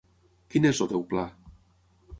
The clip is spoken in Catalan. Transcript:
Quin és el teu pla?